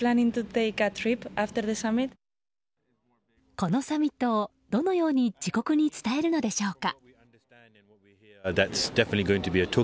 このサミットをどのように自国に伝えるのでしょうか。